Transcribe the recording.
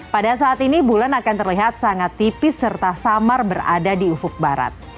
pada saat ini bulan akan terlihat sangat tipis serta samar berada di ufuk barat